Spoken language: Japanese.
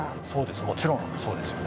もちろんそうですよね。